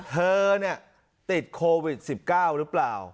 เธอติดโควิด๑๙หรือเปล่า